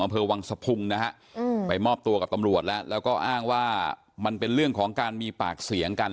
อำเภอวังสะพุงนะฮะไปมอบตัวกับตำรวจแล้วแล้วก็อ้างว่ามันเป็นเรื่องของการมีปากเสียงกัน